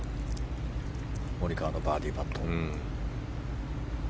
モリカワのバーディーパット。